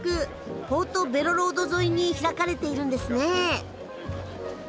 ポートベロロード沿いに開かれているんですね。